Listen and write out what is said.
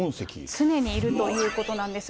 常にいるということなんです。